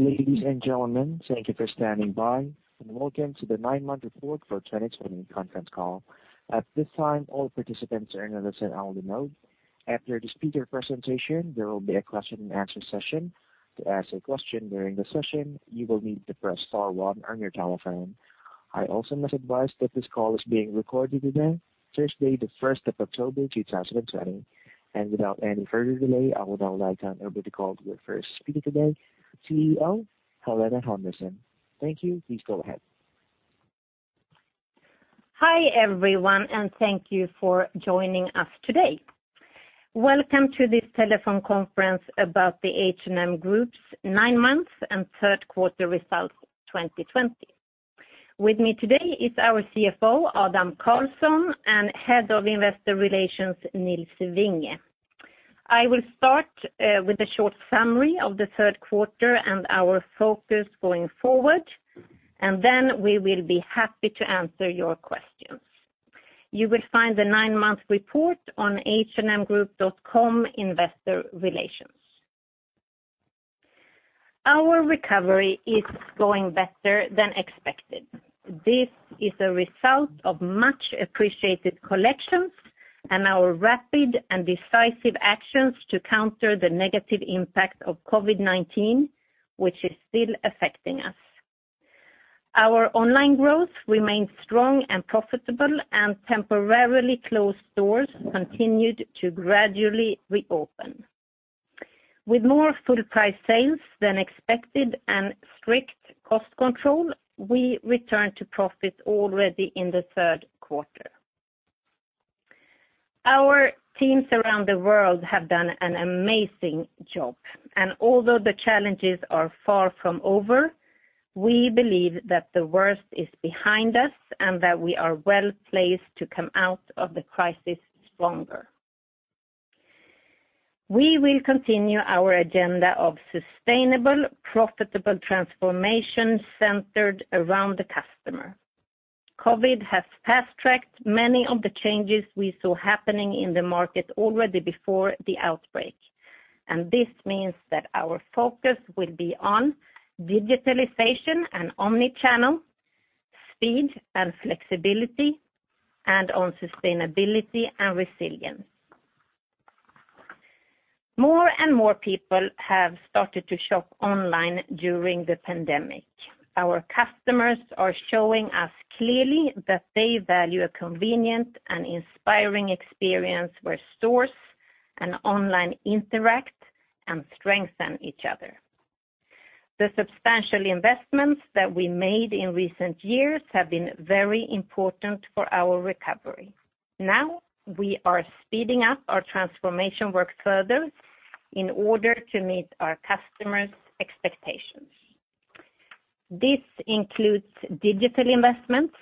Ladies and gentlemen, thank you for standing by and welcome to the nine-month report for 2020 conference call. At this time, all participants are in a listen-only mode. After the speaker presentation, there will be a question-and-answer session. To ask a question during the session, you will need to press star one on your telephone. I also must advise that this call is being recorded today, Thursday, the 1st of October, 2020. Without any further delay, I would now like to hand over the call to our first speaker today, CEO Helena Helmersson. Thank you. Please go ahead. Hi, everyone. Thank you for joining us today. Welcome to this telephone conference about the H&M Group's nine months and third quarter results 2020. With me today is our CFO, Adam Karlsson, and Head of Investor Relations, Nils Vinge. I will start with a short summary of the third quarter and our focus going forward, then we will be happy to answer your questions. You will find the nine-month report on hmgroup.com/investorrelations. Our recovery is going better than expected. This is a result of much appreciated collections and our rapid and decisive actions to counter the negative impact of COVID-19, which is still affecting us. Our online growth remains strong and profitable, temporarily closed stores continued to gradually reopen. With more full price sales than expected and strict cost control, we returned to profit already in the third quarter. Our teams around the world have done an amazing job. Although the challenges are far from over, we believe that the worst is behind us and that we are well-placed to come out of the crisis stronger. We will continue our agenda of sustainable, profitable transformation centered around the customer. COVID-19 has fast-tracked many of the changes we saw happening in the market already before the outbreak. This means that our focus will be on digitalization and omnichannel, speed and flexibility, and on sustainability and resilience. More and more people have started to shop online during the pandemic. Our customers are showing us clearly that they value a convenient and inspiring experience where stores and online interact and strengthen each other. The substantial investments that we made in recent years have been very important for our recovery. Now, we are speeding up our transformation work further in order to meet our customers' expectations. This includes digital investments,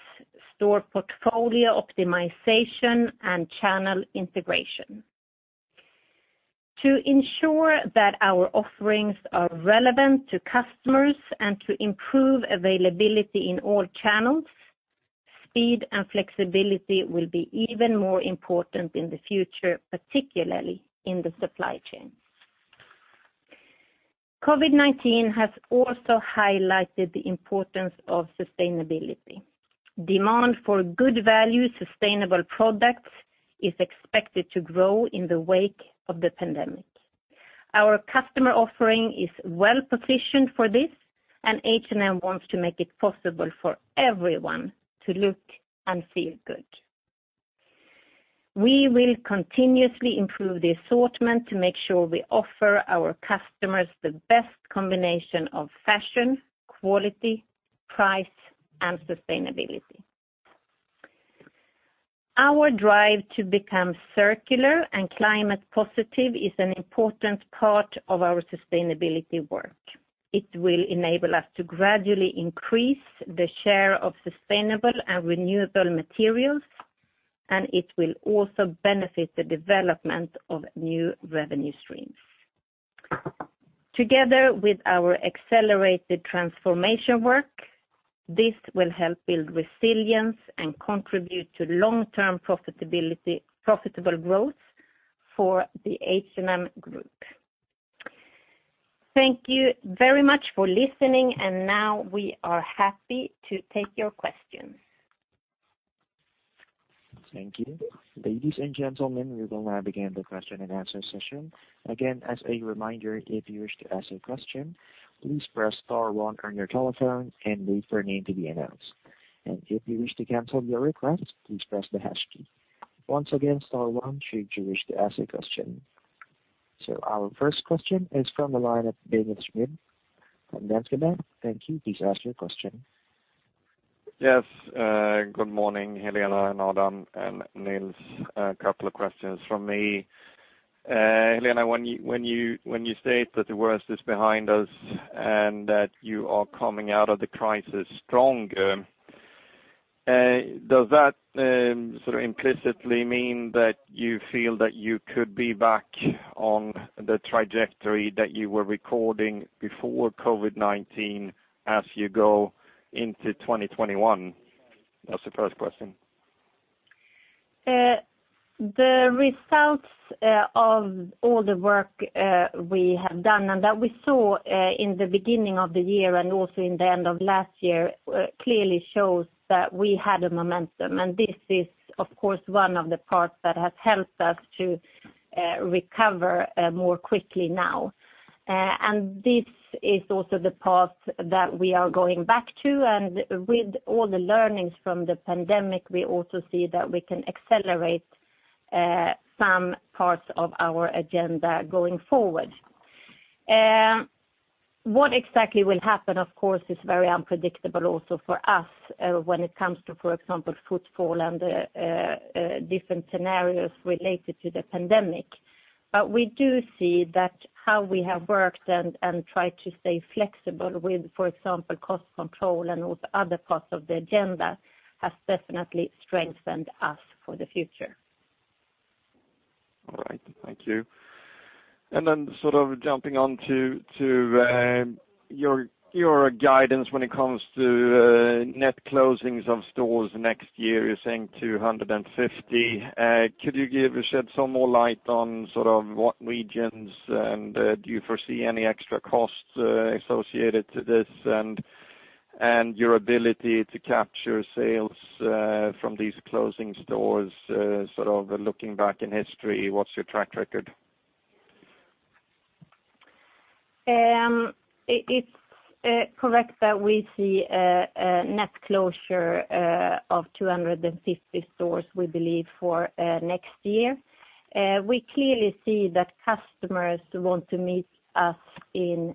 store portfolio optimization, and channel integration. To ensure that our offerings are relevant to customers and to improve availability in all channels, speed and flexibility will be even more important in the future, particularly in the supply chain. COVID-19 has also highlighted the importance of sustainability. Demand for good value sustainable products is expected to grow in the wake of the pandemic. Our customer offering is well-positioned for this, and H&M wants to make it possible for everyone to look and feel good. We will continuously improve the assortment to make sure we offer our customers the best combination of fashion, quality, price, and sustainability. Our drive to become circular and climate positive is an important part of our sustainability work. It will enable us to gradually increase the share of sustainable and renewable materials, and it will also benefit the development of new revenue streams. Together with our accelerated transformation work, this will help build resilience and contribute to long-term profitable growth for the H&M Group. Thank you very much for listening, and now we are happy to take your questions. Thank you. Ladies and gentlemen, we will now begin the question-and-answer session. Again, as a reminder, if you wish to ask a question, please press star one on your telephone and wait for your name to be announced. If you wish to cancel your request, please press the hash key. Once again, star one should you wish to ask a question. Our first question is from the line of Daniel Schmidt from Danske Bank. Thank you. Please ask your question. Yes. Good morning, Helena and Adam and Nils. A couple of questions from me. Helena, when you state that the worst is behind us and that you are coming out of the crisis stronger, does that sort of implicitly mean that you feel that you could be back on the trajectory that you were recording before COVID-19 as you go into 2021? That's the first question. The results of all the work we have done and that we saw in the beginning of the year and also in the end of last year, clearly shows that we had a momentum. This is, of course, one of the parts that has helped us to recover more quickly now. This is also the path that we are going back to, and with all the learnings from the pandemic, we also see that we can accelerate some parts of our agenda going forward. What exactly will happen, of course, is very unpredictable also for us when it comes to, for example, footfall and different scenarios related to the pandemic. We do see that how we have worked and tried to stay flexible with, for example, cost control and with other parts of the agenda, has definitely strengthened us for the future. All right, thank you. Jumping on to your guidance when it comes to net closings of stores next year, you're saying 250. Could you shed some more light on what regions, and do you foresee any extra costs associated to this, and your ability to capture sales from these closing stores? Looking back in history, what's your track record? It's correct that we see a net closure of 250 stores, we believe, for next year. We clearly see that customers want to meet us in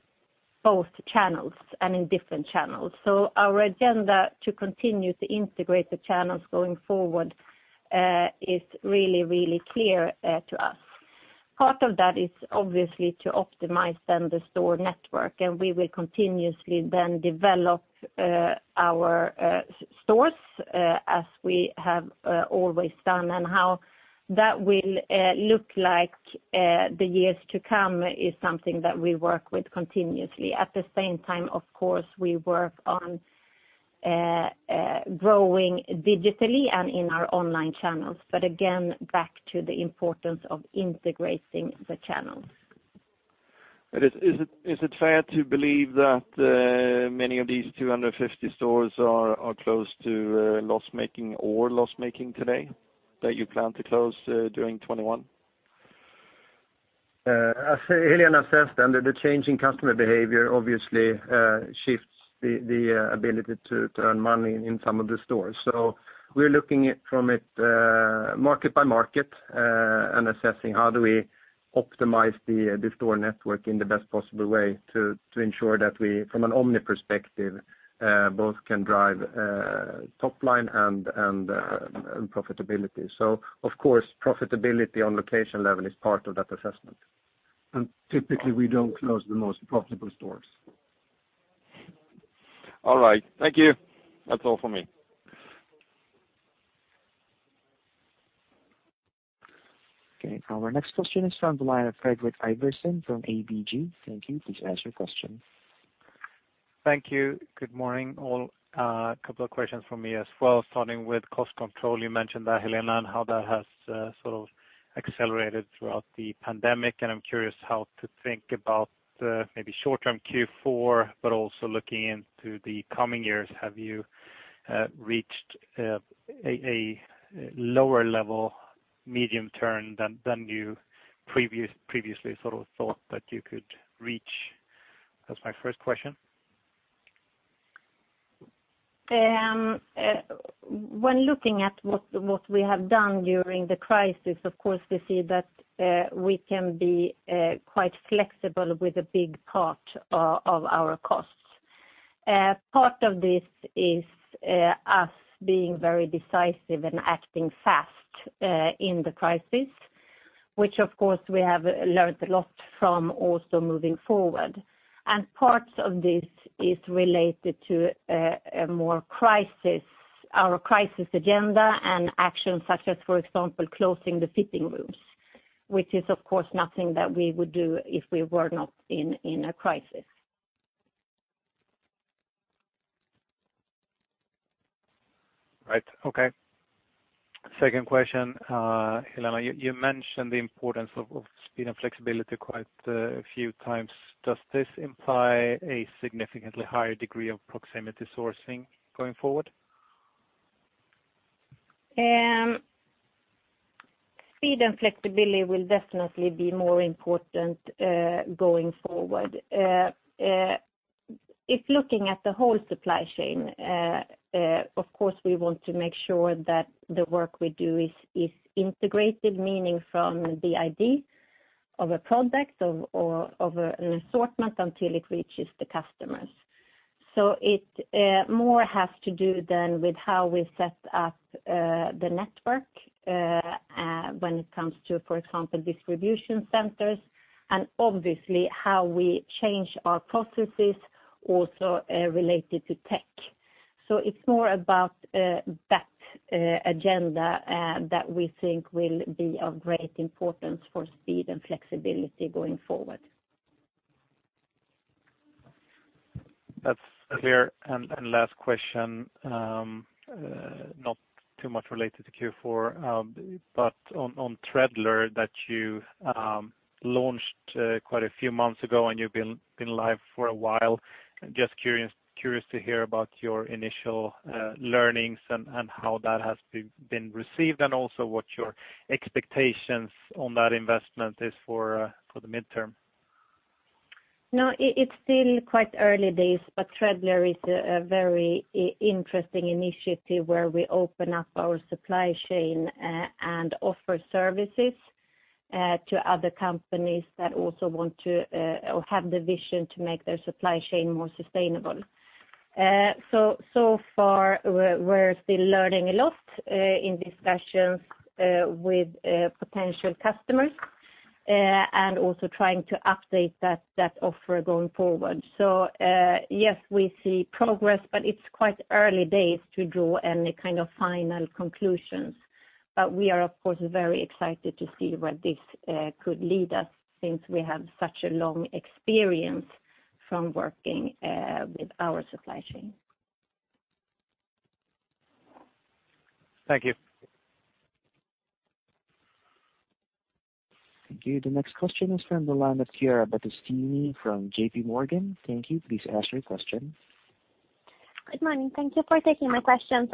both channels and in different channels. Our agenda to continue to integrate the channels going forward is really clear to us. Part of that is obviously to optimize then the store network, we will continuously then develop our stores as we have always done. How that will look like the years to come is something that we work with continuously. At the same time, of course, we work on growing digitally and in our online channels. Again, back to the importance of integrating the channels. Is it fair to believe that many of these 250 stores are close to loss-making or loss-making today, that you plan to close during 2021? As Helena said, the change in customer behavior obviously shifts the ability to earn money in some of the stores. We're looking from it market by market and assessing how do we optimize the store network in the best possible way to ensure that we, from an omni perspective, both can drive top line and profitability. Of course, profitability on location level is part of that assessment. Typically, we don't close the most profitable stores. All right, thank you. That's all for me. Okay, our next question is from the line of Fredrik Ivarsson from ABG. Thank you. Please ask your question. Thank you. Good morning, all. A couple of questions from me as well, starting with cost control. You mentioned that, Helena, and how that has accelerated throughout the pandemic, and I'm curious how to think about maybe short-term Q4, but also looking into the coming years. Have you reached a lower level medium term than you previously thought that you could reach? That's my first question. When looking at what we have done during the crisis, of course, we see that we can be quite flexible with a big part of our costs. Part of this is us being very decisive and acting fast in the crisis, which of course, we have learned a lot from also moving forward. Parts of this is related to our crisis agenda and actions such as, for example, closing the fitting rooms, which is, of course, nothing that we would do if we were not in a crisis. Right. Okay. Second question. Helena, you mentioned the importance of speed and flexibility quite a few times. Does this imply a significantly higher degree of proximity sourcing going forward? Speed and flexibility will definitely be more important going forward. If looking at the whole supply chain, of course, we want to make sure that the work we do is integrated, meaning from the ID of a product or of an assortment until it reaches the customers. It more has to do then with how we set up the network when it comes to, for example, distribution centers, and obviously how we change our processes also related to tech. It's more about that agenda that we think will be of great importance for speed and flexibility going forward. That's clear. Last question, not too much related to Q4, but on Treadler that you launched quite a few months ago, and you've been live for a while. Just curious to hear about your initial learnings and how that has been received, and also what your expectations on that investment is for the midterm. It's still quite early days, but Treadler is a very interesting initiative where we open up our supply chain and offer services to other companies that also want to or have the vision to make their supply chain more sustainable. So far, we're still learning a lot in discussions with potential customers, and also trying to update that offer going forward. Yes, we see progress, but it's quite early days to draw any kind of final conclusions. We are, of course, very excited to see where this could lead us since we have such a long experience from working with our supply chain. Thank you. Thank you. The next question is from the line of Chiara Battistini from JPMorgan. Thank you. Please ask your question. Good morning. Thank you for taking my questions.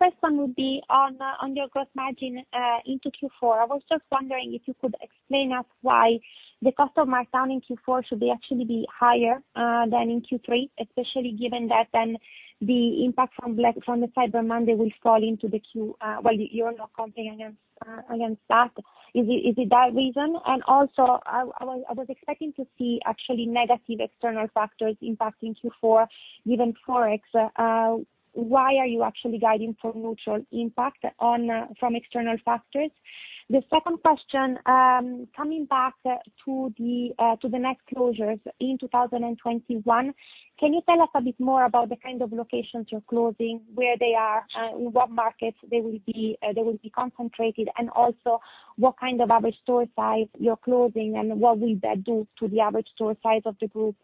First one would be on your gross margin into Q4. I was just wondering if you could explain us why the cost of markdown in Q4 should actually be higher than in Q3, especially given that then the impact from the Cyber Monday will fall into the—well, you're not counting against that. Is it that reason? Also, I was expecting to see actually negative external factors impacting Q4, given forex. Why are you actually guiding for neutral impact from external factors? The second question, coming back to the net closures in 2021, can you tell us a bit more about the kind of locations you're closing, where they are, in what markets they will be concentrated, and also what kind of average store size you're closing and what will that do to the average store size of the Group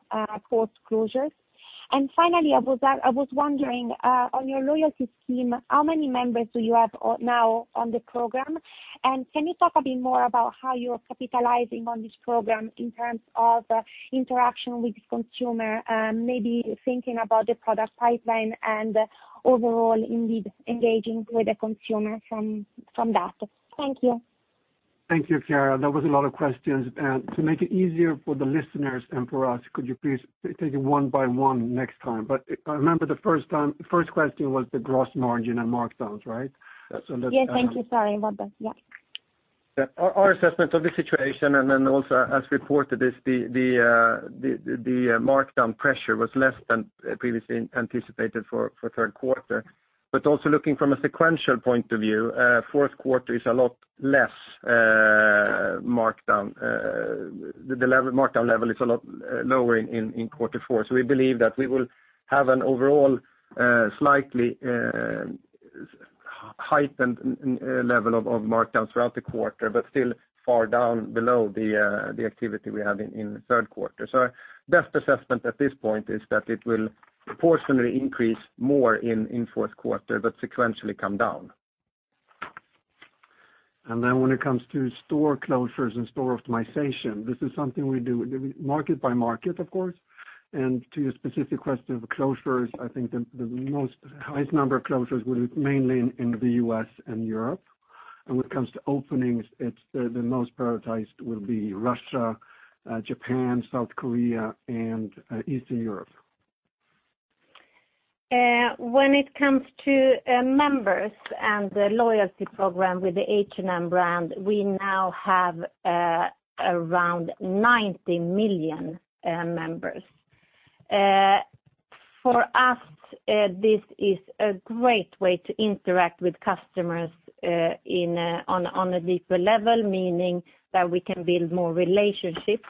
post-closures? Finally, I was wondering, on your loyalty scheme, how many members do you have now on the program? Can you talk a bit more about how you're capitalizing on this program in terms of interaction with the consumer, maybe thinking about the product pipeline and overall, indeed, engaging with the consumer from that? Thank you. Thank you, Chiara. That was a lot of questions. To make it easier for the listeners and for us, could you please take it one by one next time? I remember the first question was the gross margin and markdowns, right? Yes. Thank you. Sorry about that. Yeah. Our assessment of the situation, also as reported, is the markdown pressure was less than previously anticipated for third quarter. Also looking from a sequential point of view, fourth quarter is a lot less markdown. The markdown level is a lot lower in quarter four. We believe that we will have an overall slightly heightened level of markdowns throughout the quarter, but still far down below the activity we had in the third quarter. Our best assessment at this point is that it will proportionally increase more in fourth quarter, but sequentially come down. When it comes to store closures and store optimization, this is something we do market by market, of course. To your specific question of closures, I think the highest number of closures will be mainly in the U.S. and Europe. When it comes to openings, the most prioritized will be Russia, Japan, South Korea, and Eastern Europe. When it comes to members and the loyalty program with the H&M brand, we now have around 90 million members. For us, this is a great way to interact with customers on a deeper level, meaning that we can build more relationships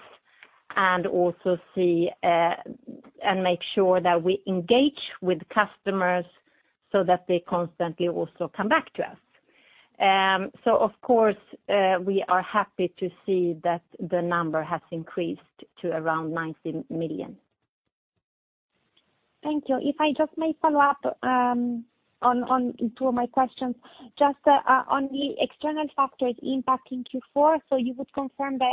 and also make sure that we engage with customers so that they constantly also come back to us. Of course, we are happy to see that the number has increased to around 90 million. Thank you. If I just may follow up on two of my questions, just on the external factors impacting Q4, you would confirm that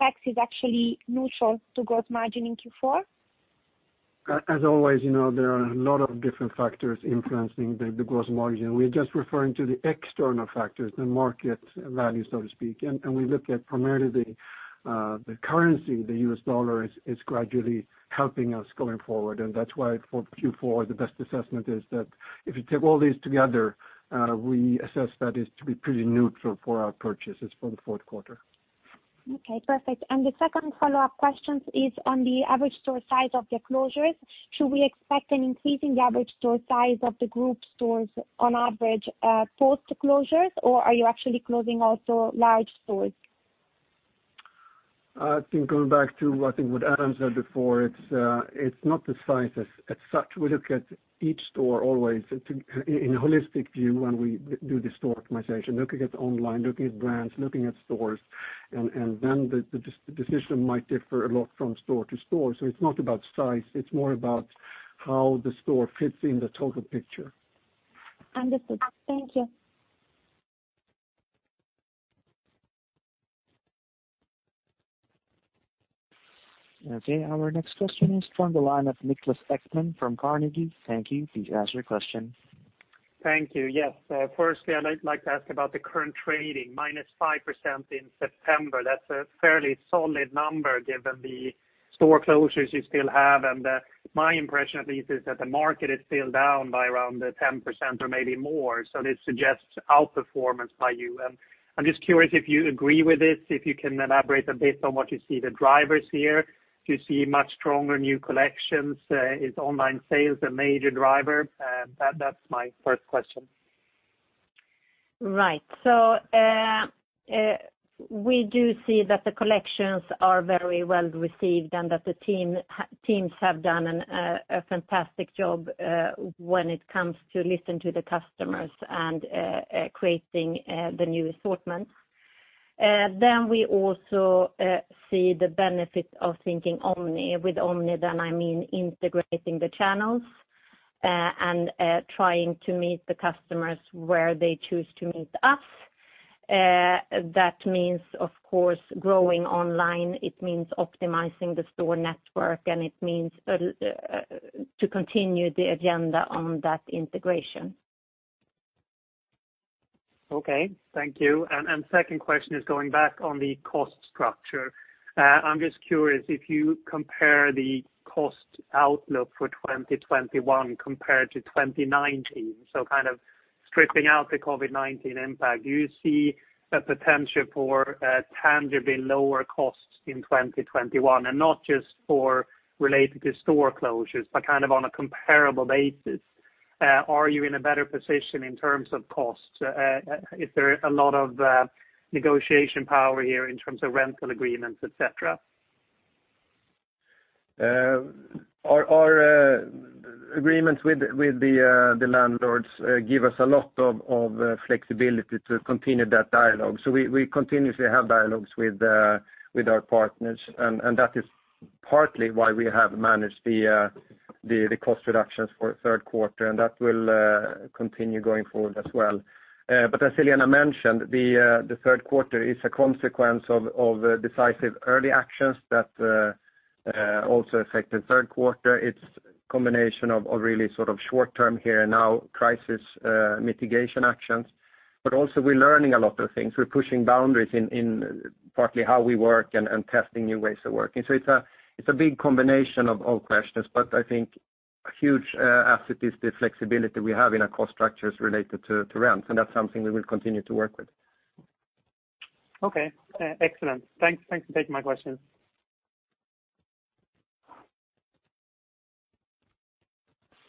forex is actually neutral to gross margin in Q4? As always, there are a lot of different factors influencing the gross margin. We're just referring to the external factors, the market value, so to speak. We look at primarily the currency, the U.S. dollar is gradually helping us going forward. That's why for Q4, the best assessment is that if you take all these together, we assess that is to be pretty neutral for our purchases for the fourth quarter. Okay, perfect. The second follow-up question is on the average store size of the closures. Should we expect an increase in the average store size of the group stores on average post closures? Or are you actually closing also large stores? I think going back to what Adam said before, it's not the size as such. We look at each store always in a holistic view when we do the store optimization, looking at online, looking at brands, looking at stores, and then the decision might differ a lot from store to store. It's not about size, it's more about how the store fits in the total picture. Understood. Thank you. Okay, our next question is from the line of Niklas Ekman from Carnegie. Thank you. Please ask your question. Thank you. Yes. Firstly, I'd like to ask about the current trading, -5% in September. That's a fairly solid number given the store closures you still have. My impression at least is that the market is still down by around 10% or maybe more. This suggests outperformance by you. I'm just curious if you agree with this, if you can elaborate based on what you see the drivers here, do you see much stronger new collections? Is online sales a major driver? That's my first question. Right. We do see that the collections are very well-received, and that the teams have done a fantastic job when it comes to listen to the customers and creating the new assortment. We also see the benefit of thinking omni. With omni, I mean integrating the channels and trying to meet the customers where they choose to meet us. That means, of course, growing online, it means optimizing the store network, and it means to continue the agenda on that integration. Okay. Thank you. Second question is going back on the cost structure. I'm just curious if you compare the cost outlook for 2021 compared to 2019, so kind of stripping out the COVID-19 impact, do you see a potential for tangibly lower costs in 2021? Not just for related to store closures, but kind of on a comparable basis, are you in a better position in terms of costs? Is there a lot of negotiation power here in terms of rental agreements, et cetera? Our agreements with the landlords give us a lot of flexibility to continue that dialogue. We continuously have dialogues with our partners, and that is partly why we have managed the cost reductions for third quarter, and that will continue going forward as well. As Helena mentioned, the third quarter is a consequence of decisive early actions that also affected third quarter. It's a combination of really sort of short term here and now crisis mitigation actions. Also we're learning a lot of things. We're pushing boundaries in partly how we work and testing new ways of working. It's a big combination of all questions, but I think a huge asset is the flexibility we have in our cost structures related to rent, and that's something we will continue to work with. Okay. Excellent. Thanks for taking my questions.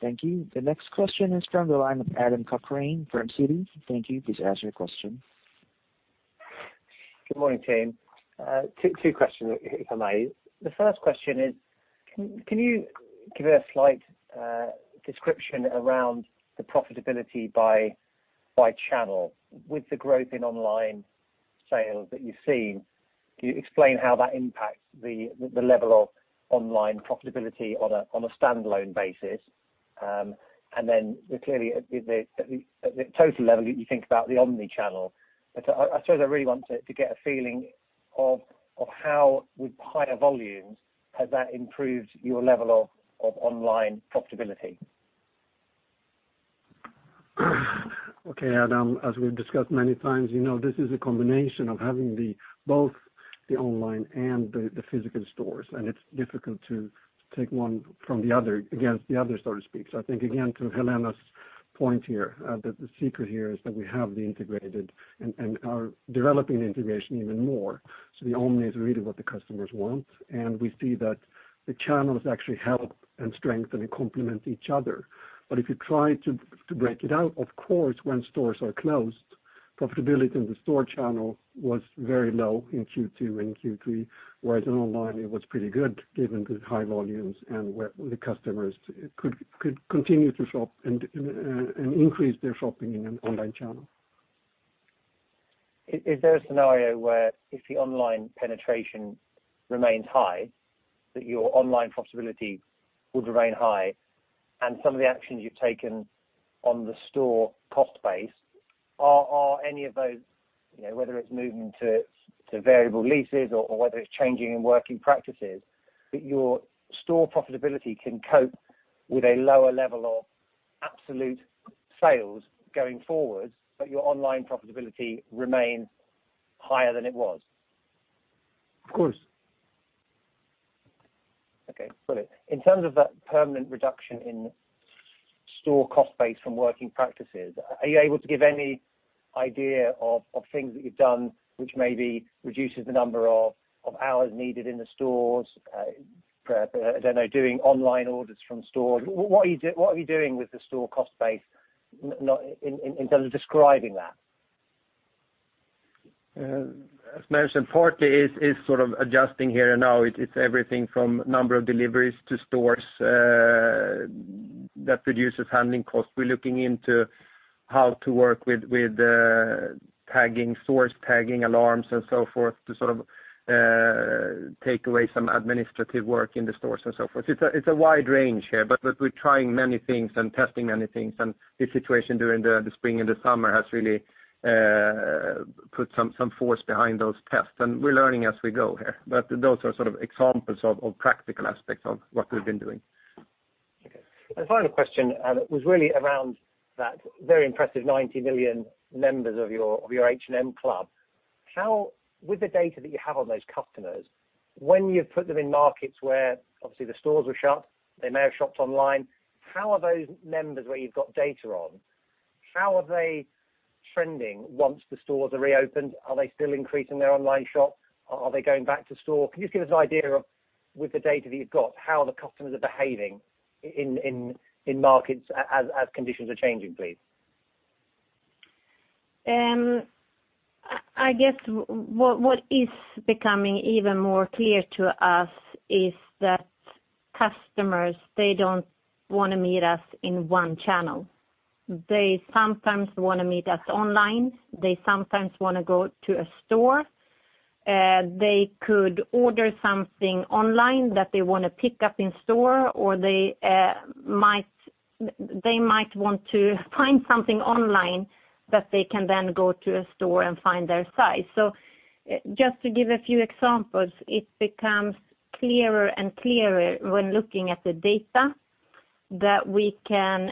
Thank you. The next question is from the line of Adam Cochrane from Citi. Thank you. Please ask your question. Good morning, team. Two questions, if I may. The first question is, can you give a slight description around the profitability by channel? With the growth in online sales that you've seen, can you explain how that impacts the level of online profitability on a standalone basis? Clearly, at the total level, you think about the omnichannel. I suppose I really want to get a feeling of how with higher volumes has that improved your level of online profitability? Okay, Adam, as we've discussed many times, this is a combination of having both the online and the physical stores, and it's difficult to take one from the other, against the other, so to speak. I think, again, to Helena's point here, that the secret here is that we have the integrated and are developing integration even more. The omni is really what the customers want, and we see that the channels actually help and strengthen and complement each other. If you try to break it out, of course, when stores are closed, profitability in the store channel was very low in Q2 and Q3, whereas in online it was pretty good given the high volumes and the customers could continue to shop and increase their shopping in an online channel. Is there a scenario where if the online penetration remains high, that your online profitability will remain high and some of the actions you've taken on the store cost base are any of those, whether it's moving to variable leases or whether it's changing in working practices, that your store profitability can cope with a lower level of absolute sales going forward, but your online profitability remains higher than it was? Of course. Got it. In terms of that permanent reduction in store cost base from working practices, are you able to give any idea of things that you've done which maybe reduces the number of hours needed in the stores, I don't know, doing online orders from stores? What are you doing with the store cost base in terms of describing that? As mentioned, partly it is sort of adjusting here and now. It's everything from number of deliveries to stores. That reduces handling costs. We're looking into how to work with source tagging alarms and so forth, to take away some administrative work in the stores and so forth. It's a wide range here, but we're trying many things and testing many things, and the situation during the Spring and the Summer has really put some force behind those tests, and we're learning as we go here. Those are examples of practical aspects of what we've been doing. Okay. Final question, it was really around that very impressive 90 million members of your H&M Club. With the data that you have on those customers, when you've put them in markets where obviously the stores were shut, they may have shopped online, how are those members where you've got data on, how are they trending once the stores are reopened? Are they still increasing their online shop? Are they going back to store? Can you just give us an idea of, with the data that you've got, how the customers are behaving in markets as conditions are changing, please? I guess what is becoming even clearer to us is that customers, they don't want to meet us in one channel. They sometimes want to meet us online. They sometimes want to go to a store. They could order something online that they want to pick up in store, or they might want to find something online that they can then go to a store and find their size. Just to give a few examples, it becomes clearer and clearer when looking at the data that we can,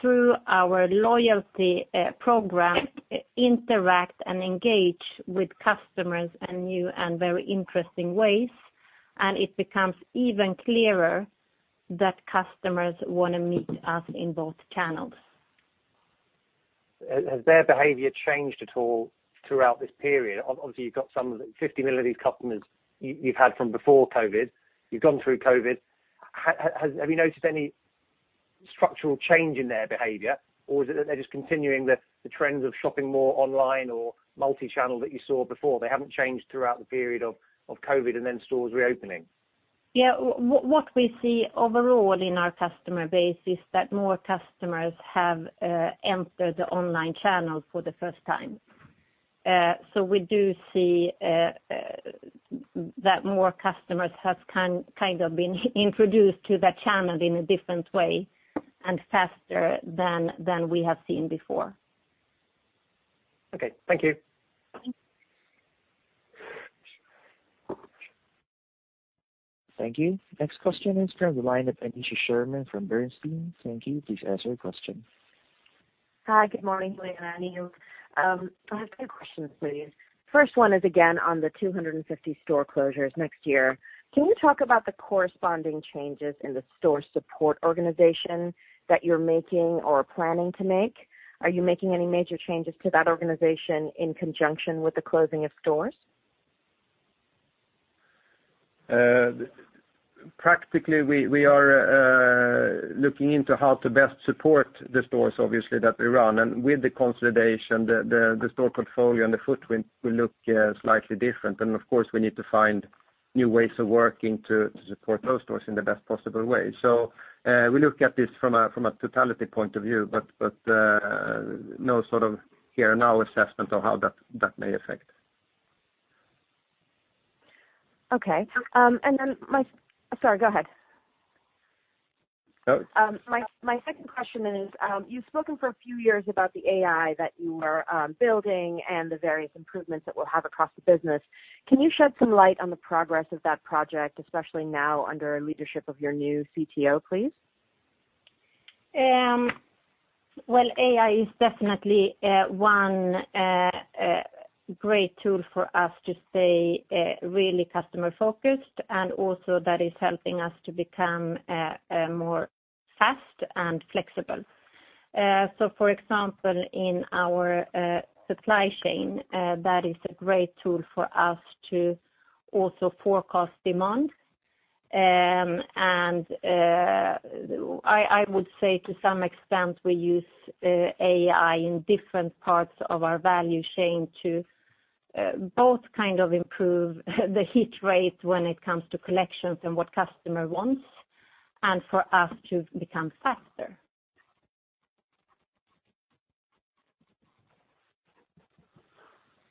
through our loyalty program, interact and engage with customers in new and very interesting ways. It becomes even clearer that customers want to meet us in both channels. Has their behavior changed at all throughout this period? Obviously, you've got some of the 50 million of these customers you've had from before COVID. You've gone through COVID. Have you noticed any structural change in their behavior, or is it that they're just continuing the trends of shopping more online or multi-channel that you saw before, they haven't changed throughout the period of COVID and then stores reopening? Yeah. What we see overall in our customer base is that more customers have entered the online channel for the first time. We do see that more customers have kind of been introduced to that channel in a different way, and faster than we have seen before. Okay. Thank you. Thank you. Next question is from the line of Aneesha Sherman from Bernstein. Thank you. Please ask your question. Hi. Good morning, Helena and Nils. I have two questions, please. First one is again on the 250 store closures next year. Can you talk about the corresponding changes in the store support organization that you're making or planning to make? Are you making any major changes to that organization in conjunction with the closing of stores? Practically, we are looking into how to best support the stores, obviously, that we run. With the consolidation, the store portfolio and the footprint will look slightly different. Of course, we need to find new ways of working to support those stores in the best possible way. We look at this from a totality point of view, but no sort of here and now assessment on how that may affect. Okay. Sorry, go ahead. No. My second question is, you've spoken for a few years about the AI that you are building and the various improvements that we'll have across the business. Can you shed some light on the progress of that project, especially now under leadership of your new CTO, please? AI is definitely one great tool for us to stay really customer-focused, and also that is helping us to become more fast and flexible. For example, in our supply chain, that is a great tool for us to also forecast demand. I would say to some extent, we use AI in different parts of our value chain to both kind of improve the hit rate when it comes to collections and what customer wants, and for us to become faster.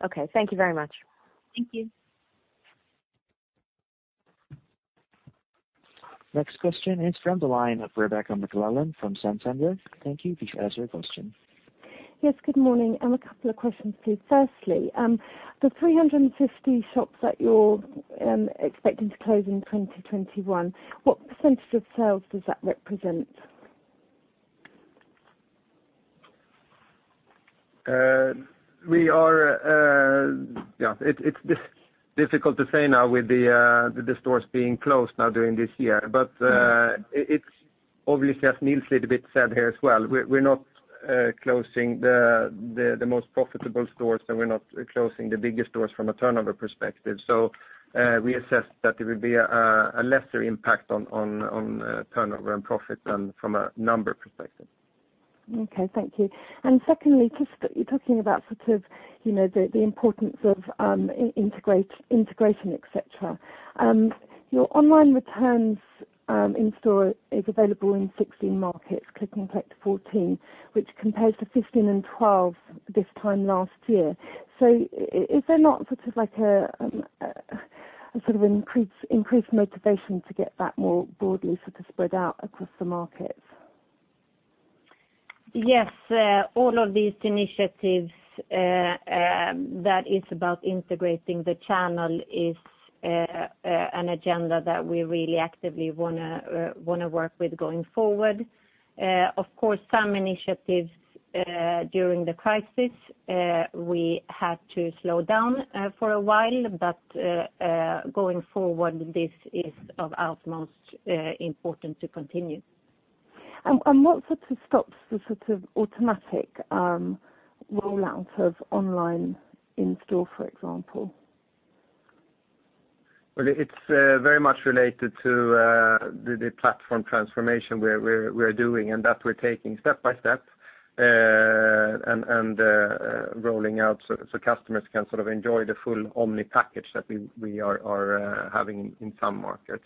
Okay. Thank you very much. Thank you. Next question is from the line of Rebecca McClellan from Santander. Thank you. Please ask your question. Yes, good morning. A couple of questions, please. Firstly, the 350 shops that you're expecting to close in 2021, what percentage of sales does that represent? It's difficult to say now with the stores being closed now during this year. it's obviously, as Nils said here as well, we're not closing the most profitable stores, and we're not closing the biggest stores from a turnover perspective. we assess that there will be a lesser impact on turnover and profit than from a number perspective. Okay, thank you. Secondly, you're talking about the importance of integration, et cetera. Your online returns in store is available in 16 markets, click and collect 14, which compares to 15 and 12 this time last year. Is there not an increased motivation to get that more broadly spread out across the markets? Yes. All of these initiatives that is about integrating the channel is an agenda that we really actively want to work with going forward. Of course, some initiatives, during the crisis, we had to slow down for a while, but going forward, this is of utmost importance to continue. What stops the automatic rollout of online in store, for example? Well, it's very much related to the platform transformation we're doing, and that we're taking step by step and rolling out so customers can enjoy the full omni package that we are having in some markets.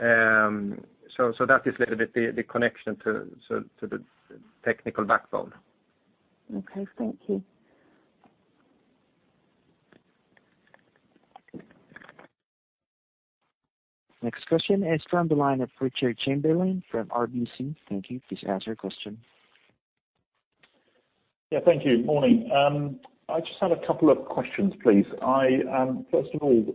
That is a little bit the connection to the technical backbone. Okay, thank you. Next question is from the line of Richard Chamberlain from RBC. Thank you. Please ask your question. Yeah, thank you. Morning. I just had a couple of questions, please. First of all,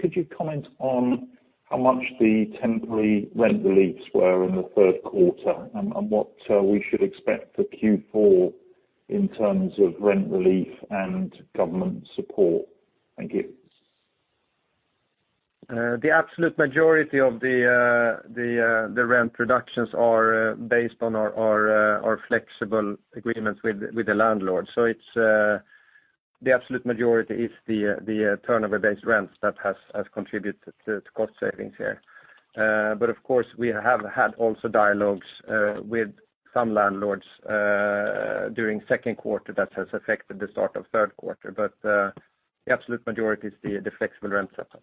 could you comment on how much the temporary rent reliefs were in the third quarter and what we should expect for Q4 in terms of rent relief and government support? Thank you. The absolute majority of the rent reductions are based on our flexible agreements with the landlord. The absolute majority is the turnover-based rents that has contributed to cost savings here. Of course, we have had also dialogues with some landlords during second quarter that has affected the start of third quarter. The absolute majority is the flexible rent setup.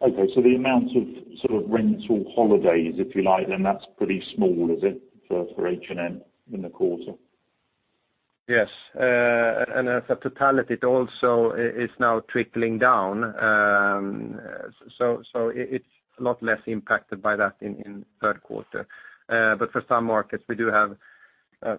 Okay. The amount of rental holidays, if you like, then that's pretty small, is it, for H&M in the quarter? Yes. As a totality, it also is now trickling down. It's a lot less impacted by that in third quarter. For some markets, we do have,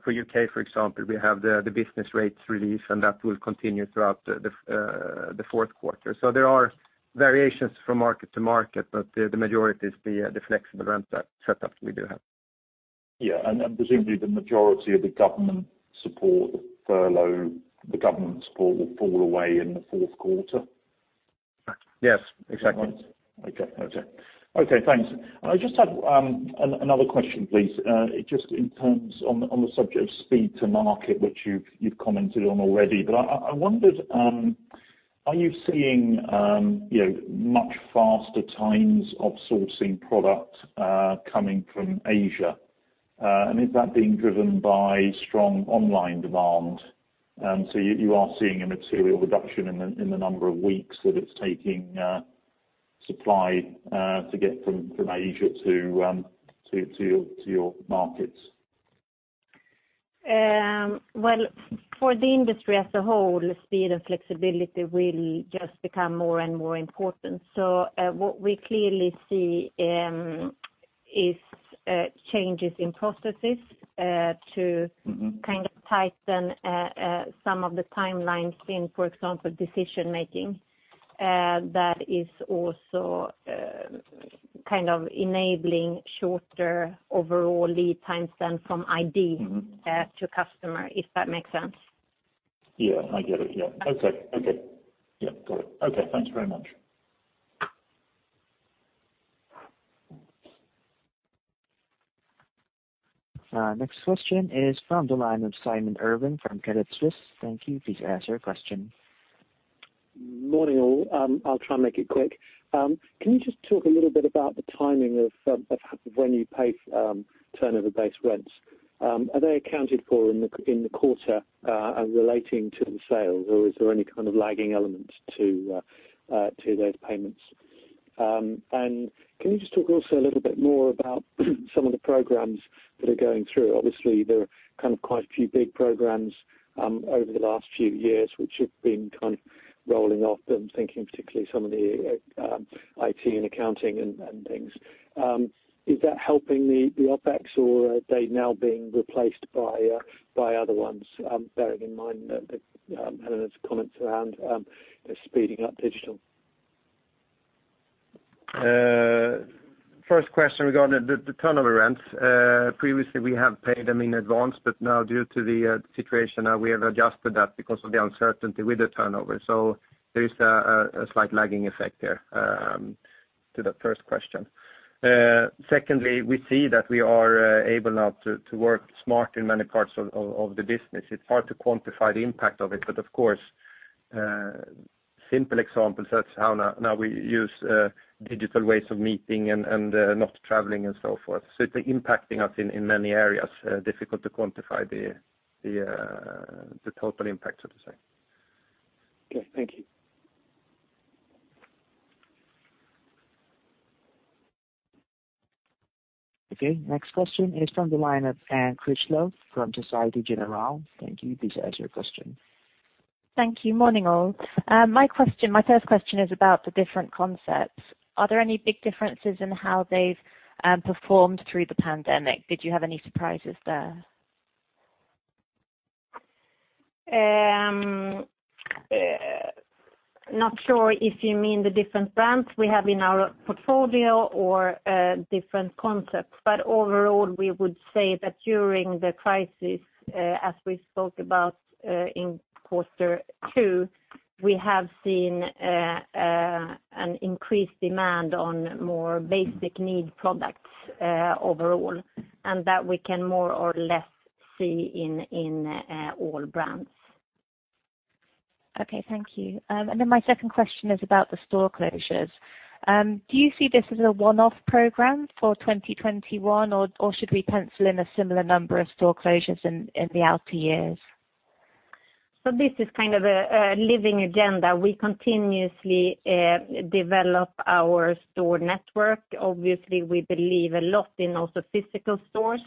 for U.K., for example, we have the business rates relief, and that will continue throughout the fourth quarter. There are variations from market to market, but the majority is the flexible rent setup we do have. Yeah. Presumably the majority of the government support, the furlough, the government support will fall away in the fourth quarter. Yes, exactly. Okay. Thanks. I just have another question, please. Just in terms on the subject of speed to market, which you've commented on already, but I wondered, are you seeing much faster times of sourcing product coming from Asia? Is that being driven by strong online demand? You are seeing a material reduction in the number of weeks that it's taking supply to get from Asia to your markets? Well, for the industry as a whole, speed and flexibility will just become more and more important. What we clearly see is changes in processes to kind of tighten some of the timelines in, for example, decision making, that is also enabling shorter overall lead times than from ID to customer, if that makes sense. Yeah, I get it. Okay, got it. Okay, thanks very much. Next question is from the line of Simon Irwin from Credit Suisse. Thank you. Please ask your question. Morning, all. I'll try and make it quick. Can you just talk a little bit about the timing of when you pay turnover-based rents? Are they accounted for in the quarter and relating to the sales, or is there any kind of lagging element to those payments? Can you just talk also a little bit more about some of the programs that are going through? Obviously, there are kind of quite a few big programs over the last few years which have been kind of rolling off. I'm thinking particularly some of the IT and accounting and things. Is that helping the OpEx or are they now being replaced by other ones, bearing in mind Helena's comments around speeding up digital? First question regarding the turnover rents. Previously, we have paid them in advance, but now due to the situation now, we have adjusted that because of the uncertainty with the turnover. There is a slight lagging effect there, to the first question. Secondly, we see that we are able now to work smart in many parts of the business. It's hard to quantify the impact of it, but of course. Simple examples, that's how now we use digital ways of meeting and not traveling and so forth. It's impacting us in many areas. Difficult to quantify the total impact, so to say. Okay, thank you. Okay, next question is from the line of Anne Critchlow from Societe Generale. Thank you. Please ask your question. Thank you. Morning, all. My first question is about the different concepts. Are there any big differences in how they've performed through the pandemic? Did you have any surprises there? Not sure if you mean the different brands we have in our portfolio or different concepts, but overall, we would say that during the crisis, as we spoke about in quarter two, we have seen an increased demand on more basic need products overall, and that we can more or less see in all brands. Okay, thank you. My second question is about the store closures. Do you see this as a one-off program for 2021? Or should we pencil in a similar number of store closures in the outer years? This is kind of a living agenda. We continuously develop our store network. Obviously, we believe a lot in also physical stores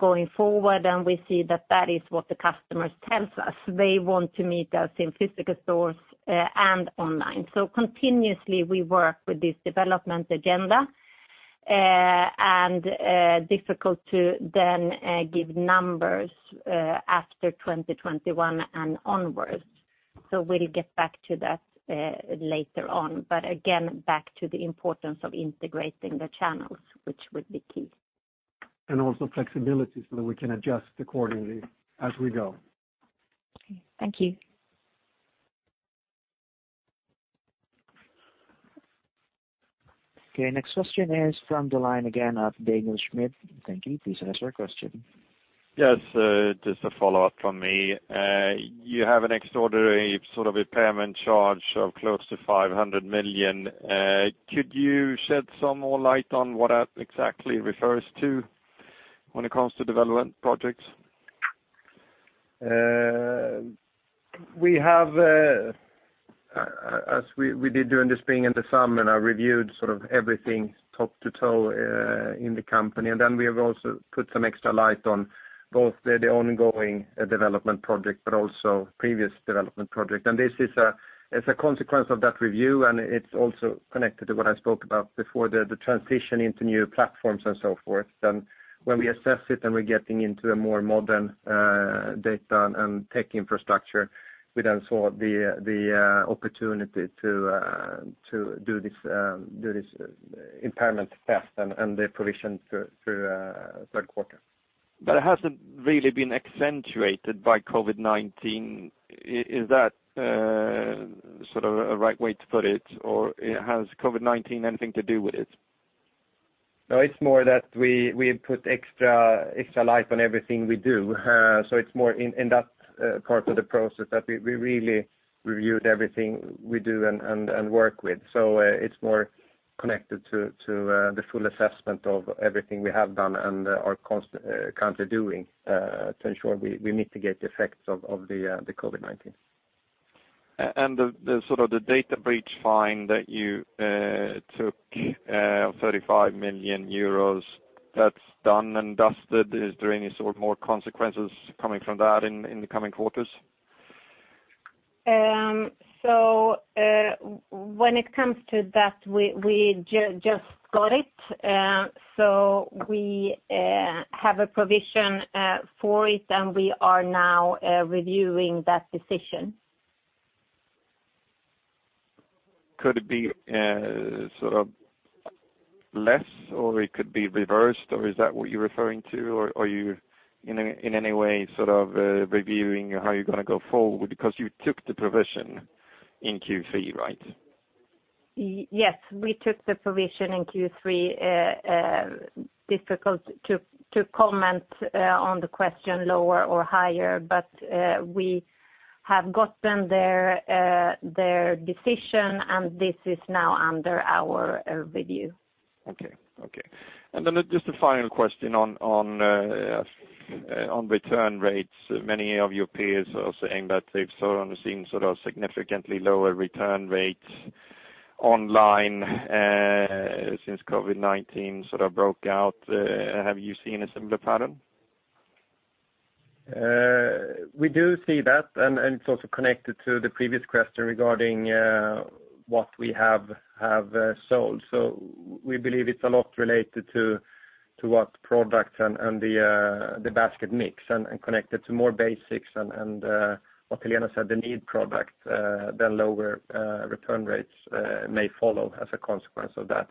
going forward, and we see that that is what the customers tells us. They want to meet us in physical stores and online. Continuously, we work with this development agenda, and difficult to then give numbers after 2021 and onwards. We'll get back to that later on. Again, back to the importance of integrating the channels, which would be key. Also flexibility so that we can adjust accordingly as we go. Okay. Thank you. Okay, next question is from the line again of Daniel Schmidt. Thank you. Please ask your question. Yes, just a follow-up from me. You have an extraordinary sort of impairment charge of close to 500 million. Could you shed some more light on what that exactly refers to when it comes to development projects? As we did during the Spring and the Summer, now reviewed sort of everything top to toe in the company. We have also put some extra light on both the ongoing development project, but also previous development project. This is a consequence of that review, and it's also connected to what I spoke about before, the transition into new platforms and so forth. When we assess it and we're getting into a more modern data and tech infrastructure, we then saw the opportunity to do this impairment test and the provision through third quarter. But it hasn't really been accentuated by COVID-19. Is that sort of a right way to put it? has COVID-19 anything to do with it? No, it's more that we put extra light on everything we do. It's more in that part of the process that we really reviewed everything we do and work with. It's more connected to the full assessment of everything we have done and are currently doing to ensure we mitigate the effects of the COVID-19. The data breach fine that you took, 35 million euros, that's done and dusted. Is there any sort of more consequences coming from that in the coming quarters? When it comes to that, we just got it. We have a provision for it, and we are now reviewing that decision. Could it be less or it could be reversed, or is that what you're referring to? Or are you in any way sort of reviewing how you're going to go forward? Because you took the provision in Q3, right? Yes, we took the provision in Q3. Difficult to comment on the question lower or higher, but we have gotten their decision, and this is now under our review. Okay, okay. just a final question on return rates. Many of your peers are saying that they've sort of seen significantly lower return rates online since COVID-19 broke out. Have you seen a similar pattern? We do see that, and it's also connected to the previous question regarding what we have sold. We believe it's a lot related to what products and the basket mix and connected to more basics and what Helena said, the need product, then lower return rates may follow as a consequence of that.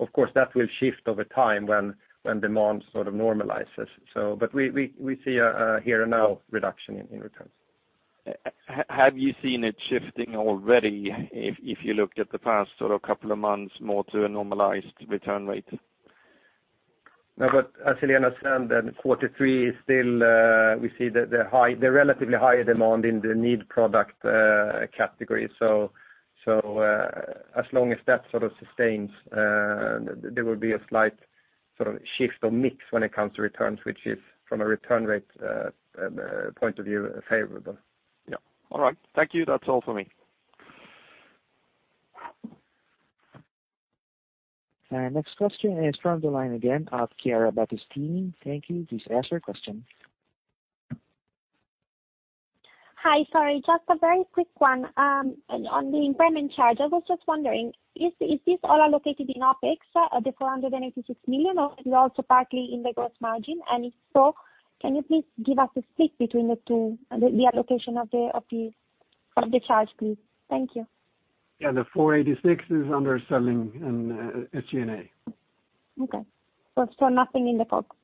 Of course, that will shift over time when demand sort of normalizes. We see a here and now reduction in returns. Have you seen it shifting already if you looked at the past couple of months more to a normalized return rate? No, as Helena said, in Q3 we see the relatively higher demand in the need product category. As long as that sustains, there will be a slight shift or mix when it comes to returns, which is from a return rate point of view, favorable. Yeah. All right. Thank you. That's all for me. Our next question is from the line again of Chiara Battistini. Thank you. Please ask your question. Hi. Sorry, just a very quick one. On the impairment charge, I was just wondering, is this all allocated in OpEx, the 486 million, or is it also partly in the gross margin? If so, can you please give us a split between the two, the allocation of the charge, please? Thank you. Yeah. The 486 million is underselling in SG&A. Okay. Nothing in the COGS.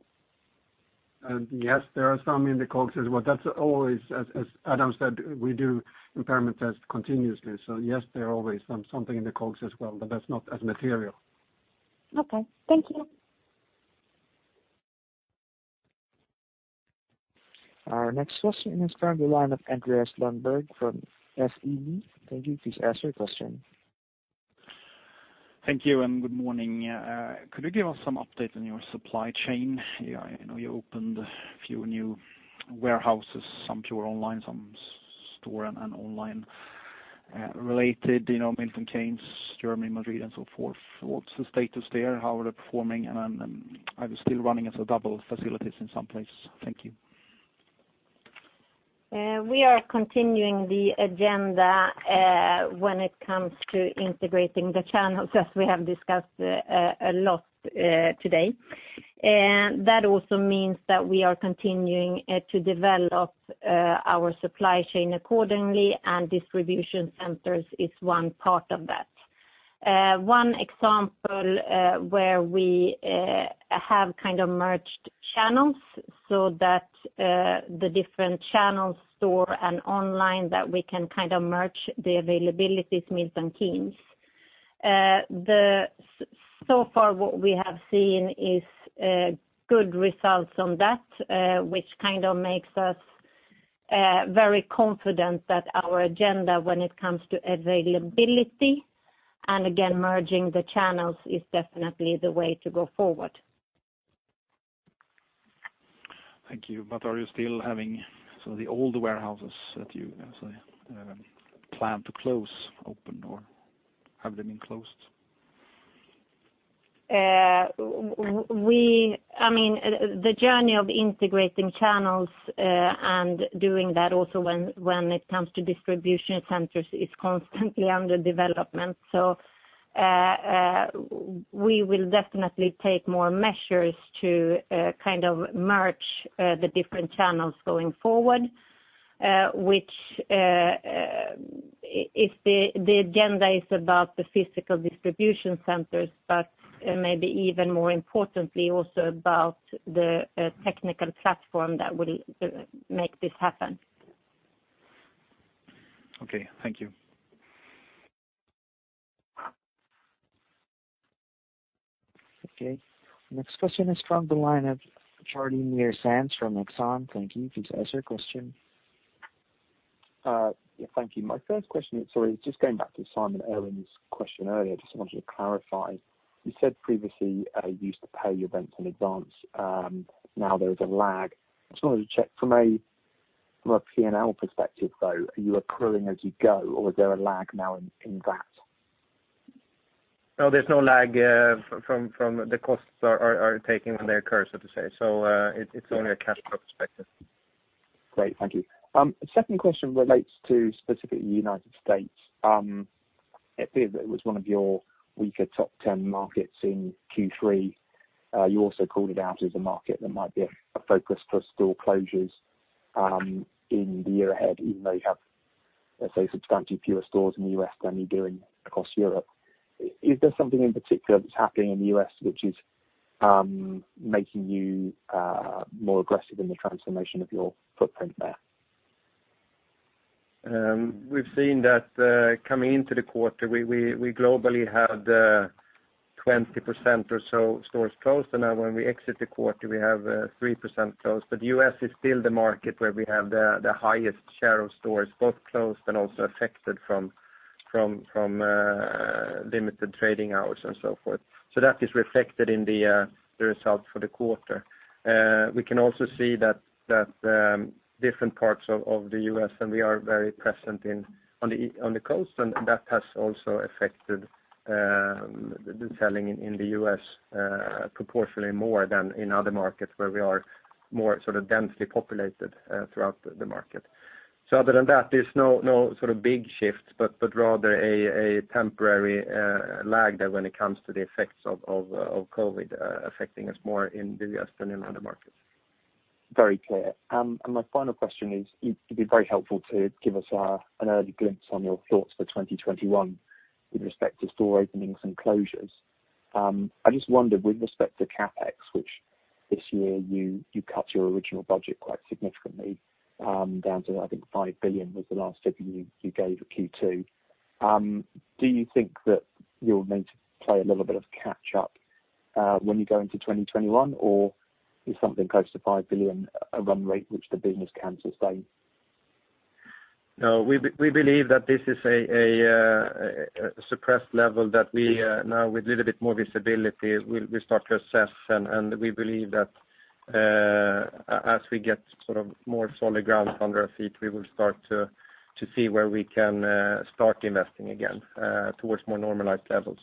Yes, there are some in the COGS as well. As Adam said, we do impairment tests continuously, so yes, there are always some something in the COGS as well, but that's not as material. Okay. Thank you. Our next question is from the line of Andreas Lundberg from SEB. Thank you. Please ask your question. Thank you and good morning. Could you give us some update on your supply chain? I know you opened a few new warehouses, some pure online, some store and online related, Milton Keynes, Germany, Madrid and so forth. What's the status there? How are they performing, and are you still running as a double facilities in some place? Thank you. We are continuing the agenda when it comes to integrating the channels as we have discussed a lot today. That also means that we are continuing to develop our supply chain accordingly and distribution centers is one part of that. One example, where we have kind of merged channels so that the different channels store and online that we can kind of merge the availabilities, Milton Keynes. Far what we have seen is good results on that, which kind of makes us very confident that our agenda when it comes to availability and again, merging the channels is definitely the way to go forward. Thank you. Are you still having the older warehouses that you plan to close open, or have they been closed? The journey of integrating channels and doing that also when it comes to distribution centers is constantly under development. We will definitely take more measures to merge the different channels going forward, which the agenda is about the physical distribution centers, but maybe even more importantly, also about the technical platform that will make this happen. Okay. Thank you. Okay. Next question is from the line of Charlie Muir-Sands from Exane. Thank you. Please ask your question. Thank you. My first question, sorry, just going back to Simon Irwin's question earlier, just wanted to clarify. You said previously you used to pay your rent in advance. Now there is a lag. I just wanted to check from a P&L perspective, though, are you accruing as you go, or is there a lag now in that? No, there's no lag from the costs are taken when they occur, so to say. It's only a cash flow perspective. Great. Thank you. Second question relates to specifically United States. It appears that it was one of your weaker top ten markets in Q3. You also called it out as a market that might be a focus for store closures in the year ahead, even though you have, let's say, substantially fewer stores in the U.S. than you do across Europe. Is there something in particular that's happening in the U.S. which is making you more aggressive in the transformation of your footprint there? We've seen that coming into the quarter, we globally had 20% or so stores closed, and now when we exit the quarter, we have 3% closed. The U.S. is still the market where we have the highest share of stores, both closed and also affected from limited trading hours and so forth. That is reflected in the result for the quarter. We can also see that different parts of the U.S., and we are very present on the coast, and that has also affected the selling in the U.S. proportionally more than in other markets where we are more densely populated throughout the market. Other than that, there's no big shifts, but rather a temporary lag there when it comes to the effects of COVID affecting us more in the U.S. than in other markets. Very clear. My final question is, it'd be very helpful to give us an early glimpse on your thoughts for 2021 with respect to store openings and closures. I just wondered with respect to CapEx, which this year you cut your original budget quite significantly, down to I think 5 billion was the last figure you gave at Q2. Do you think that you'll need to play a little bit of catch up when you go into 2021? Or is something close to 5 billion a run rate, which the business can sustain? No, we believe that this is a suppressed level that we, now with a little bit more visibility, will start to assess. We believe that as we get more solid ground under our feet, we will start to see where we can start investing again towards more normalized levels.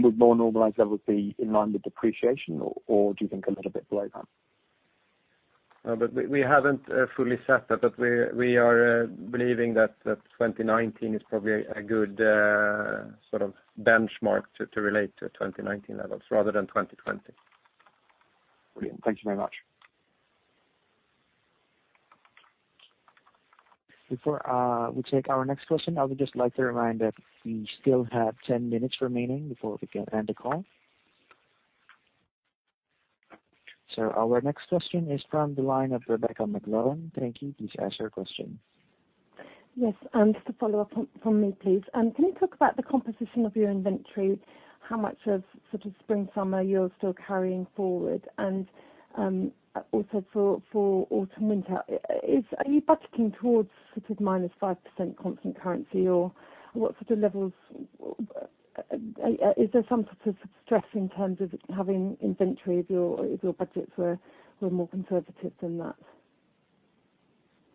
Would more normalized levels be in line with depreciation or do you think a little bit below that? We haven't fully set that, but we are believing that 2019 is probably a good benchmark to relate to 2019 levels rather than 2020. Brilliant. Thank you very much. Before we take our next question, I would just like to remind that we still have 10-minutes remaining before we can end the call. Our next question is from the line of Rebecca McClellan. Thank you. Please ask your question. Yes. Just a follow-up from me, please. Can you talk about the composition of your inventory, how much of Spring/Summer you're still carrying forward? also for Autumn/Winter, are you budgeting towards -5% constant currency, or what sort of levels? Is there some sort of stress in terms of having inventory if your budgets were more conservative than that?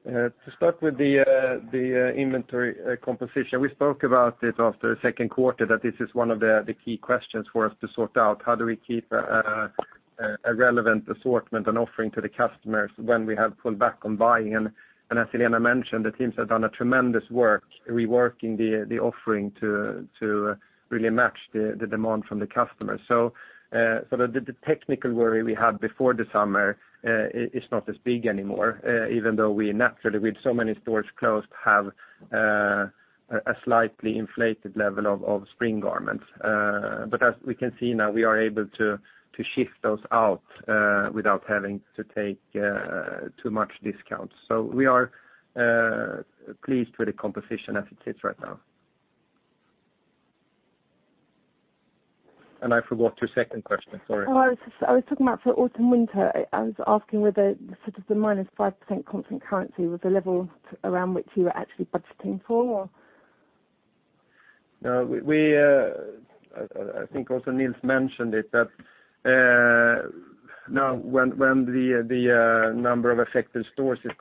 To start with the inventory composition, we spoke about it after the second quarter, that this is one of the key questions for us to sort out. How do we keep a relevant assortment and offering to the customers when we have pulled back on buying? As Helena mentioned, the teams have done a tremendous work reworking the offering to really match the demand from the customers. The technical worry we had before the Summer is not as big anymore. Even though we naturally, with so many stores closed, have a slightly inflated level of Spring garments. As we can see now, we are able to shift those out without having to take too much discount. We are pleased with the composition as it is right now. I forgot your second question. Sorry. Oh, I was talking about for Autumn/Winter. I was asking whether the -5% constant currency was the level around which you were actually budgeting for or No, I think also Nils mentioned it, that now when the number of affected stores is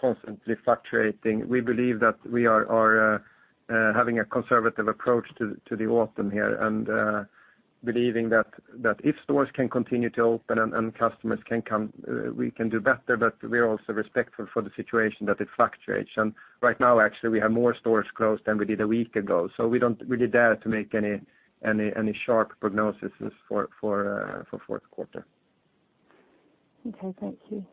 constantly fluctuating, we believe that we are having a conservative approach to the Autumn here, and believing that if stores can continue to open and customers can come, we can do better. We are also respectful for the situation, that it fluctuates. Right now, actually, we have more stores closed than we did a week ago, so we didn't dare to make any sharp prognoses for fourth quarter. Okay, thank you.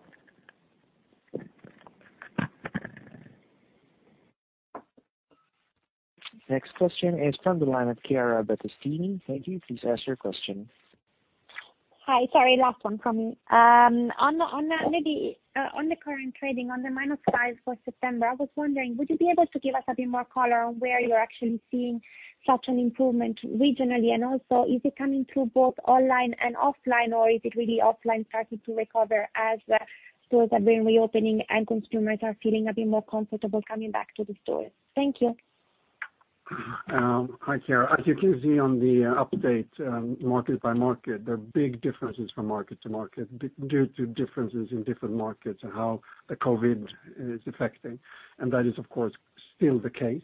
Next question is from the line of Chiara Battistini. Thank you. Please ask your question. Hi. Sorry, last one from me. On the current trading on the minus five for September, I was wondering, would you be able to give us a bit more color on where you're actually seeing such an improvement regionally? Also, is it coming through both online and offline? Or is it really offline starting to recover as stores have been reopening and consumers are feeling a bit more comfortable coming back to the stores? Thank you. Hi, Chiara. As you can see on the update, market by market, there are big differences from market to market due to differences in different markets and how the COVID is affecting, and that is, of course, still the case.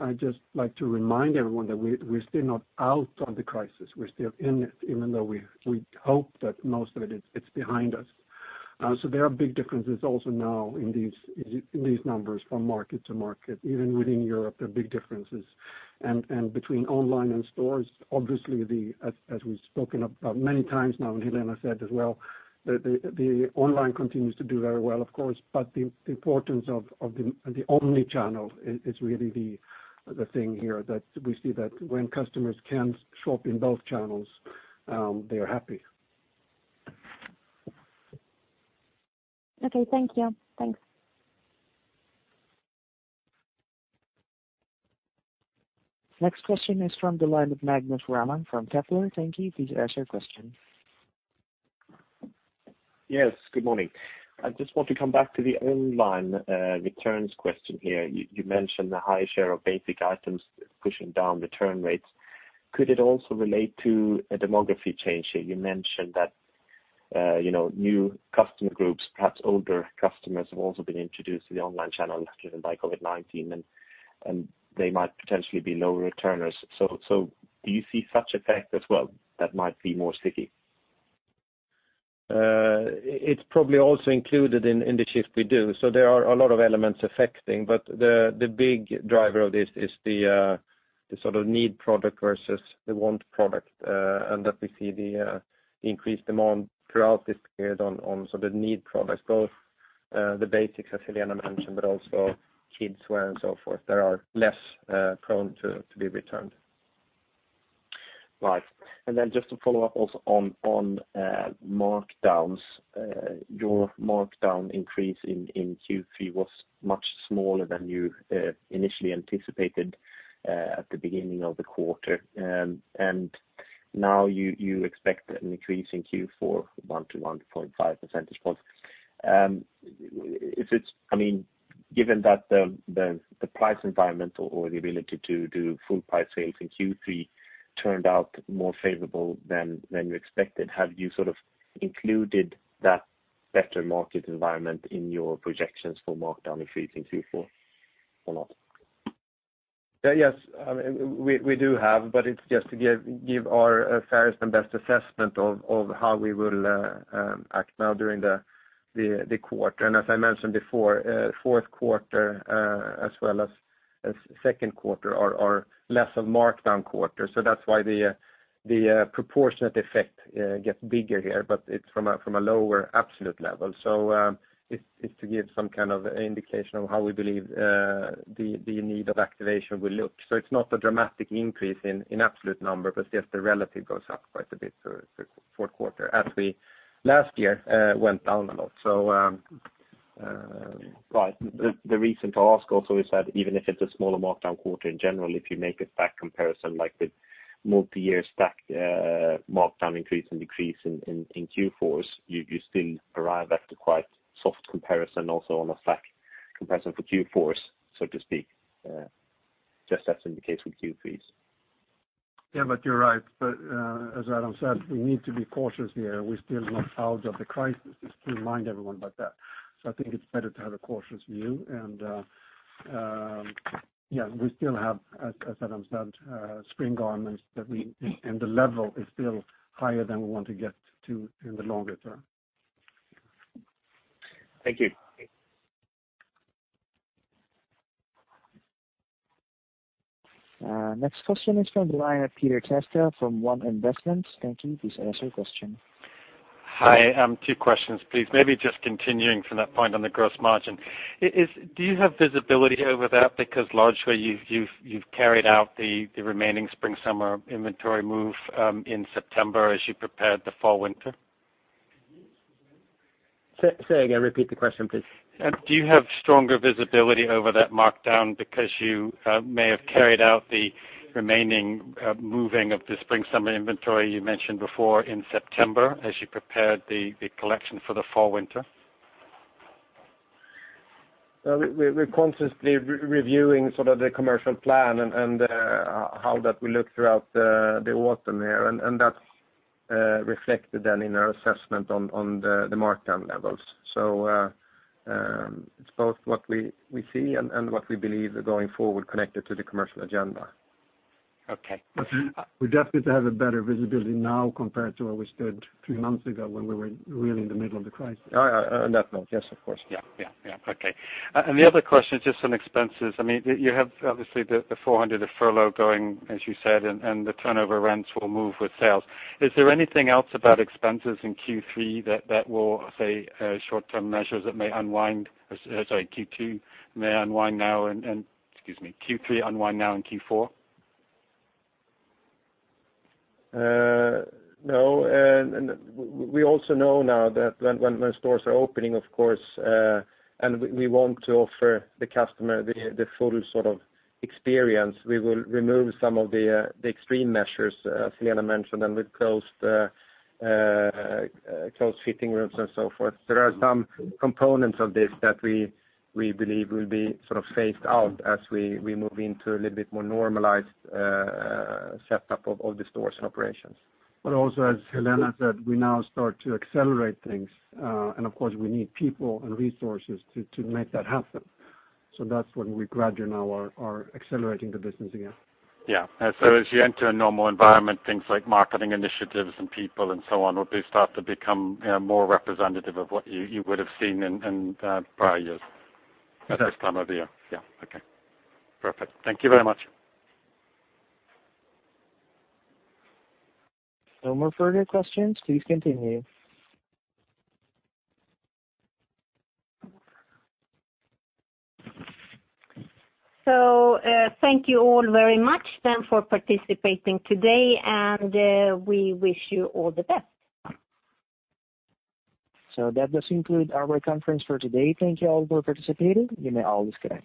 I'd just like to remind everyone that we're still not out of the crisis. We're still in it, even though we hope that most of it is behind us. There are big differences also now in these numbers from market to market. Even within Europe, there are big differences. Between online and stores, obviously, as we've spoken about many times now, and Helena said as well, the online continues to do very well, of course, but the importance of the omnichannel is really the thing here, that we see that when customers can shop in both channels, they are happy. Okay, thank you. Thanks. Next question is from the line of Magnus Raman from Kepler. Thank you. Please ask your question. Yes, good morning. I just want to come back to the online returns question here. You mentioned the high share of basic items pushing down return rates. Could it also relate to a demography change here? You mentioned that new customer groups, perhaps older customers, have also been introduced to the online channel driven by COVID-19, and they might potentially be low returners. Do you see such effect as well, that might be more sticky? It's probably also included in the shift we do. There are a lot of elements affecting, but the big driver of this is the sort of need product versus the want product, and that we see the increased demand throughout this period on the need products, both the basics, as Helena mentioned, but also kids wear and so forth, that are less prone to be returned. Right. then just to follow up also on markdowns. Your markdown increase in Q3 was much smaller than you initially anticipated at the beginning of the quarter. Now you expect an increase in Q4, 1 to 1.5 percentage points. Given that the price environment or the ability to do full price sales in Q3 turned out more favorable than you expected, have you included that better market environment in your projections for markdown increase in Q4 or not? Yes, we do have, but it's just to give our fairest and best assessment of how we will act now during the quarter. As I mentioned before, fourth quarter, as well as second quarter, are less of a markdown quarter. That's why the proportionate effect gets bigger here, but it's from a lower absolute level. It's to give some kind of indication of how we believe the need of activation will look. It's not a dramatic increase in absolute number, but just the relative goes up quite a bit for the fourth quarter as last year went down a lot. Right. The reason to ask also is that even if it's a smaller markdown quarter in general, if you make a stack comparison, like the multi-year stack markdown increase and decrease in Q4s, you still arrive at a quite soft comparison also on a stack comparison for Q4s, so to speak. Just as in the case with Q3s. Yeah, but you're right. As Adam said, we need to be cautious here. We're still not out of the crisis. Just to remind everyone about that. I think it's better to have a cautious view. Yeah, we still have, as Adam said, Spring garments, and the level is still higher than we want to get to in the longer term. Thank you. Next question is from the line of Peter Testa from One Investments. Thank you. Please ask your question. Hi. Two questions, please. Maybe just continuing from that point on the gross margin. Do you have visibility over that? Because largely you've carried out the remaining Spring/Summer inventory move in September as you prepared the Fall/Winter. Say again. Repeat the question, please. Do you have stronger visibility over that markdown because you may have carried out the remaining moving of the Spring/Summer inventory you mentioned before in September as you prepared the collection for the Fall/Winter? We're consciously reviewing the commercial plan and how that will look throughout the Autumn here, and that's reflected then in our assessment on the markdown levels. It's both what we see and what we believe are going forward connected to the commercial agenda. Okay. We definitely have a better visibility now compared to where we stood three months ago when we were really in the middle of the crisis. On that note, yes, of course. Yeah. Okay. The other question is just on expenses. You have obviously the [400 million], the furlough going, as you said, and the turnover rents will move with sales. Is there anything else about expenses in Q3 that will, say, short-term measures that may unwind sorry, Q2, may unwind now excuse me, Q3 unwind now in Q4? No. We also know now that when those stores are opening, of course, and we want to offer the customer the full sort of experience, we will remove some of the extreme measures Helena mentioned and with closed fitting rooms and so forth. There are some components of this that we believe will be sort of phased out as we move into a little bit more normalized setup of the stores and operations. Also as Helena said, we now start to accelerate things. Of course, we need people and resources to make that happen. That's when we gradually now are accelerating the business again. Yeah. As you enter a normal environment, things like marketing initiatives and people and so on will be start to become more representative of what you would have seen in prior years at this time of the year. Yeah. Okay. Perfect. Thank you very much. No more further questions. Please continue. Thank you all very much then for participating today, and we wish you all the best. That does conclude our conference for today. Thank you all for participating. You may all disconnect.